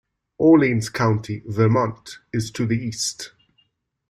Orleans County, Vermont, is to the east.